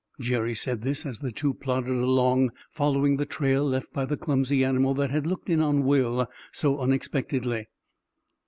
Jerry said this as the two plodded along, following the trail left by the clumsy animal that had looked in on Will so unexpectedly.